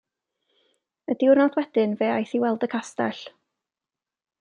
Y diwrnod wedyn fe aeth i weld y castell.